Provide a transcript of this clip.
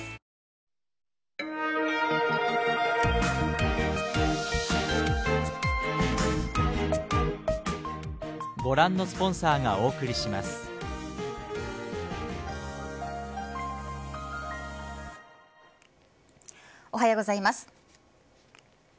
おはようございます。